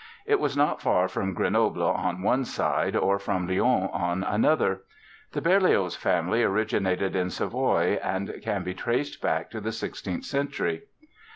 It was not far from Grenoble on one side or from Lyon on another. The Berlioz family originated in Savoie and can be traced back to the sixteenth century.